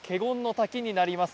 滝になります。